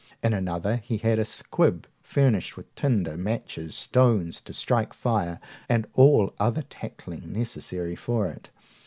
In another, he had a squib furnished with tinder, matches, stones to strike fire, and all other tackling necessary for it.